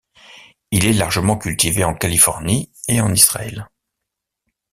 Il est largement cultivé en Californie et en Israël.